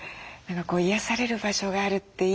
癒やされる場所があるっていいなって。